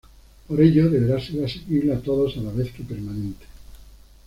Por ello, deberá ser asequible a todos, a la vez que permanente.